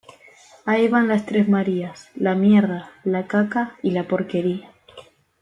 Ahí van las tres Marías; la mierda, la caca y la porquería